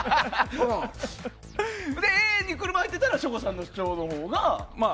Ａに車が入ってたら省吾さんの主張のほうが。